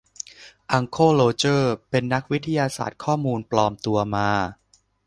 อังเคิลโรเจอร์เป็นนักวิทยาศาสตร์ข้อมูลปลอมตัวมา